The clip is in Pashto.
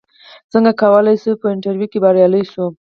څنګه کولی شم په انټرویو کې بریالی شم